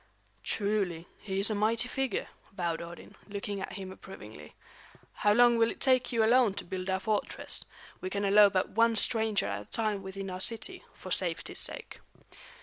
"Truly, he is a mighty figure," vowed Odin, looking at him approvingly. "How long will it take you alone to build our fortress? We can allow but one stranger at a time within our city, for safety's sake."